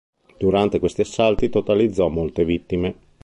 Durante questi assalti totalizzò molte vittime.